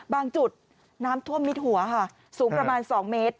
จุดน้ำท่วมมิดหัวค่ะสูงประมาณ๒เมตร